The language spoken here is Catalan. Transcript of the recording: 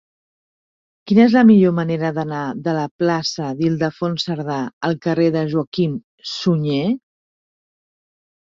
Quina és la millor manera d'anar de la plaça d'Ildefons Cerdà al carrer de Joaquim Sunyer?